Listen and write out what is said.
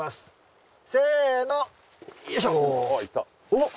おっ。